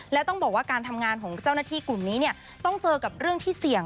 และต้องบอกว่าการทำงานของเจ้าหน้าที่กลุ่มนี้ต้องเจอกับเรื่องที่เสี่ยง